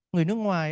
người nước ngoài